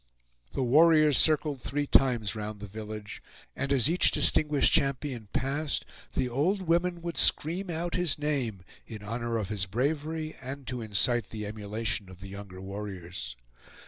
The warriors circled three times round the village; and as each distinguished champion passed, the old women would scream out his name in honor of his bravery, and to incite the emulation of the younger warriors.